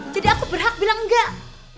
jadi aku berhak bilang enggak